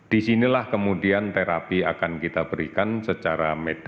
disinilah kemudian terapi akan kita berikan secara medis